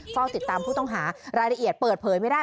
เฝ้าติดตามผู้ต้องหารายละเอียดเปิดเผยไม่ได้